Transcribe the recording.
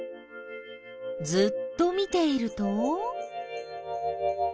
ずっと見ていると？